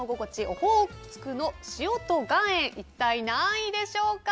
オホーツクの塩と岩塩一体、何位でしょうか。